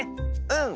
うん！